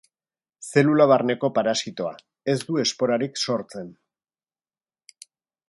Zelula barneko parasitoa, ez du esporarik sortzen.